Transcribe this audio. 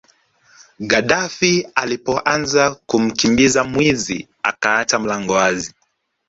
Gadaffi alipoanza kumkimbiza mwizi akaacha mlango wazi